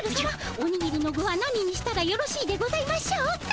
おにぎりの具は何にしたらよろしいでございましょうか？